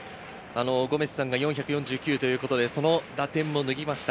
ゴメスさんが４４９ということでその打点も抜きました。